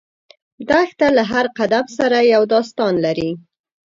دښته له هر قدم سره یو داستان لري.